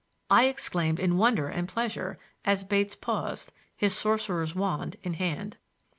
I exclaimed in wonder and pleasure as Bates paused, his sorcerer's wand in hand.